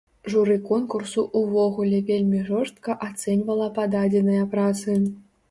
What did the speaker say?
Журы конкурсу ўвогуле вельмі жорстка ацэньвала пададзеныя працы.